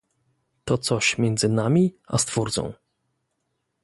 To coś między nami a Stwórcą